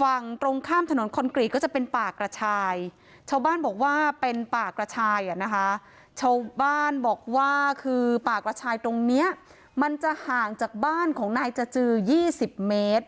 ฝั่งตรงข้ามถนนคอนกรีตก็จะเป็นป่ากระชายชาวบ้านบอกว่าเป็นป่ากระชายอ่ะนะคะชาวบ้านบอกว่าคือป่ากระชายตรงเนี้ยมันจะห่างจากบ้านของนายจจือ๒๐เมตร